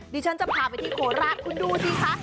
ดิฉันจะพาไปที่โคราชคุณดูสิคะ